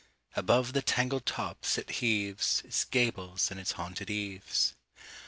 Above the tangled tops it heaves Its gables and its haunted eaves. 2.